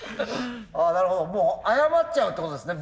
なるほどもう謝っちゃうってことですね